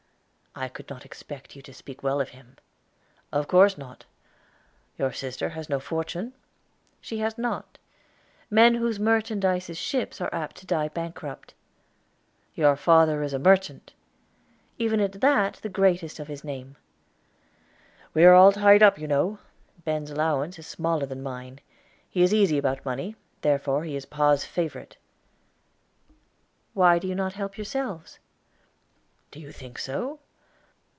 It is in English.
"I could not expect you to speak well of him." "Of course not. Your sister has no fortune?" "She has not. Men whose merchandise is ships are apt to die bankrupt." "Your father is a merchant?" "Even at that, the greatest of the name. "We are all tied up, you know. Ben's allowance is smaller than mine. He is easy about money; therefore he is pa's favorite." "Why do you not help yourselves?" "Do you think so?